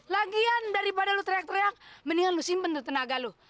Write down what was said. lagian daripada lo teriak teriak mendingan lo simpen tenaga lo